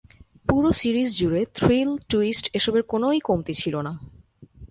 পুরো সিরিজ জুড়ে thrill, twist এসবের কোনোই কমতি ছিল না।